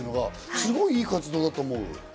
すごくいい活動だと思う。